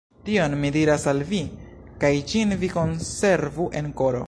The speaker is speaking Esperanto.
Tion mi diras al vi, kaj ĝin vi konservu en koro.